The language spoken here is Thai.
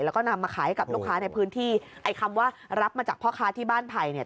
แล้วก็นำมาขายให้กับลูกค้าในพื้นที่ไอ้คำว่ารับมาจากพ่อค้าที่บ้านไผ่เนี่ย